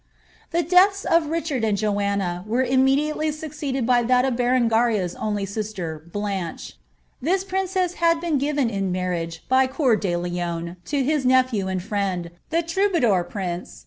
^ The deaths of Richard and Joanna were immediately succeeded by that of Berengaria's only sister, Blanche. This princess had been given in marriage, ^ CoBur de Lion, to his nephew and friend, the troubadoup > ViniMof.